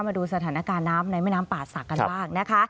มาดูสถานการณ์น้ำในแม่น้ำป่าศักดิ์กันบ้างนะคะ